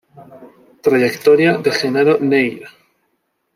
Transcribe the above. Trayectoria de Genaro Neyra